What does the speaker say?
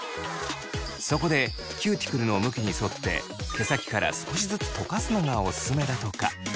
そこでキューティクルの向きに沿って毛先から少しずつとかすのがおすすめだとか。